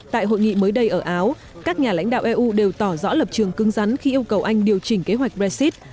tại hội nghị mới đây ở áo các nhà lãnh đạo eu đều tỏ rõ lập trường cưng rắn khi yêu cầu anh điều chỉnh kế hoạch brexit